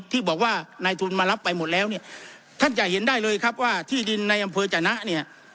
ที่บอกว่านายทุนมารับไปหมดแล้วเนี่ยท่านจะเห็นได้เลยครับว่าที่ดินในอำเภอจนะเนี่ย